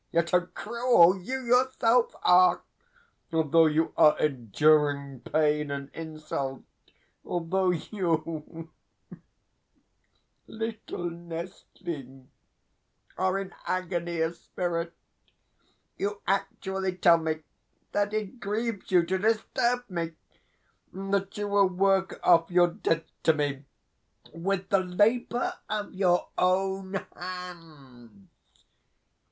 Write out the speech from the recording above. Yet how cruel you yourself are! Although you are enduring pain and insult, although you, little nestling, are in agony of spirit, you actually tell me that it grieves you to disturb me, and that you will work off your debt to me with the labour of your own hands!